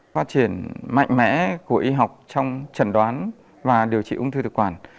phát triển mạnh mẽ của y học trong trần đoán và điều trị ung thư thực quản